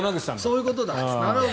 そういうことだ。